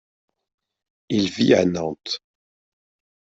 Il vit à Nantes.